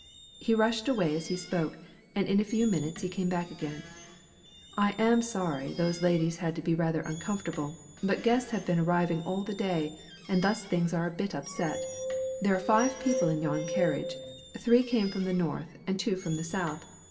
He rushed away as he spoke, and in a few minutes came back again. "I am sorry those ladies had to be made rather uncomfortable, but guests have been arriving all the day, and thus things are a bit upset. There are five people in yon carriage; three came from the north, and two from the south.